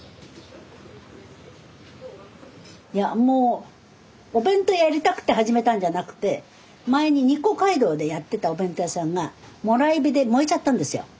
いやもうお弁当屋やりたくて始めたんじゃなくて前に日光街道でやってたお弁当屋さんがもらい火で燃えちゃったんですよ。